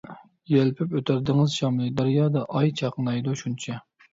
يەلپۈپ ئۆتەر دېڭىز شامىلى، دەريادا ئاي چاقنايدۇ شۇنچە.